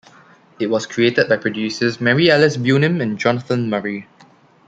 It was created by producers Mary-Ellis Bunim and Jonathan Murray.